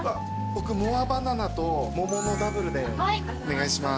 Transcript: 僕モアバナナと桃のダブルでお願いします。